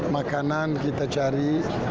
makanan kita cari